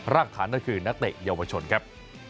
รากฐานนั่นคือนักเตะเยาวชนครับ